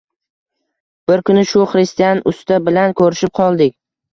Bir kuni shu xristian usta bilan ko‘rishib qoldik.